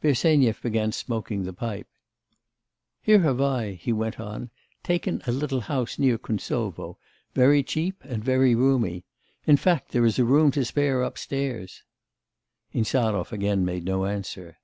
Bersenyev began smoking the pipe. 'Here have I,' he went on, 'taken a little house near Kuntsovo, very cheap and very roomy. In fact there is a room to spare upstairs.' Insarov again made no answer.